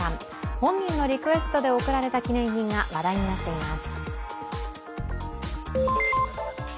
本人のリクエストで贈られた記念品が話題になっています。